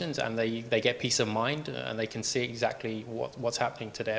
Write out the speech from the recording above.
mereka mendapatkan keamanan dan bisa melihat apa yang terjadi pada anak anak mereka